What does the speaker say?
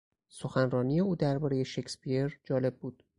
سخنرانی او دربارهی شکسپیر جالب بود.